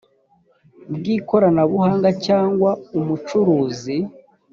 bw ikoranabuhanga cyangwa umucuruzi